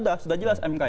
sudah ada sudah jelas umk